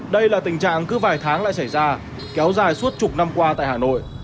đây là tình trạng cứ vài tháng lại xảy ra kéo dài suốt chục năm qua tại hà nội